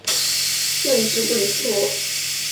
县治布里斯托。